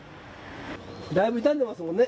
だいぶ傷んでますもんね。